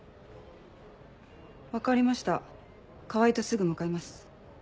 分かりました川合とすぐ向かいます。